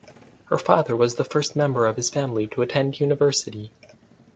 Her father was the first member of his family to attend university.